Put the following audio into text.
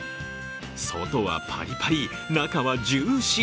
外はパリパリ、中はジューシ−。